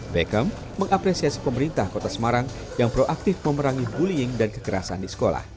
beckham mengapresiasi pemerintah kota semarang yang proaktif memerangi bullying dan kekerasan di sekolah